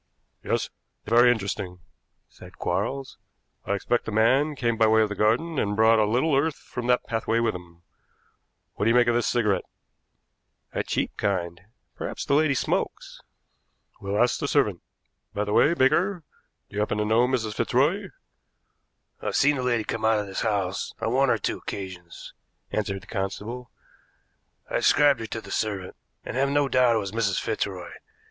"Yes, very interesting," said Quarles. "I expect the man came by way of the garden and brought a little earth from that pathway with him. What do you make of this cigarette?" "A cheap kind. Perhaps the lady smokes." "We'll ask the servant. By the way, Baker, do you happen to know Mrs. Fitzroy?" "I've seen a lady come out of this house on one or two occasions," answered the constable. "I described her to the servant, and have no doubt it was Mrs. Fitzroy.